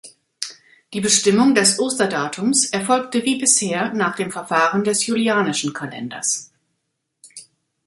Die Bestimmung des Osterdatums erfolgte wie bisher nach dem Verfahren des julianischen Kalenders.